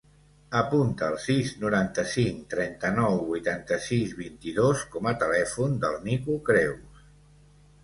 Apunta el sis, noranta-cinc, trenta-nou, vuitanta-sis, vint-i-dos com a telèfon del Nico Creus.